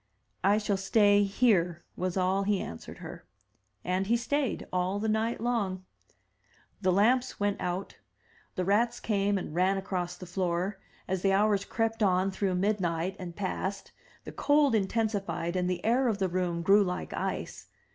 "I shall stay here," was all he answered her. And he stayed — all the night long. 294 THE TREASURE CHEST The lamps went out; the rats came and ran across the floor; as the hours crept on through midnight and past, the cold in tensified and the air of the room grew like ice.